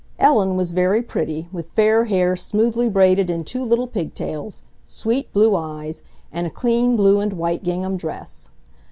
Ellen was very pretty, with fair hair smoothly braided in two little pig tails, sweet, blue eyes, and a clean blue and white gingham dress.